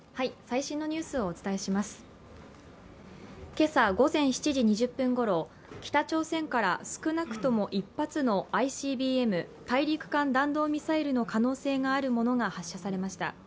今朝午前７時２０分ごろ、北朝鮮から少なくとも１発のＩＣＢＭ＝大陸間弾道ミサイルの可能性があるものが発射されました。